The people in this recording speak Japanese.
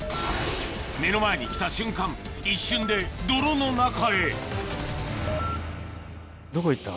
目の前に来た瞬間一瞬で泥の中へどこ行った？